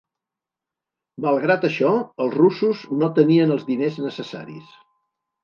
Malgrat això, els russos no tenien els diners necessaris.